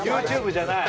Ｙｏｕｔｕｂｅじゃない。